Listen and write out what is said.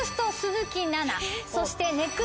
そして。